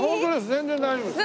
全然大丈夫です。